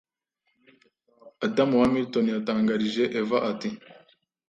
Adamu wa Milton yatangarije Eva ati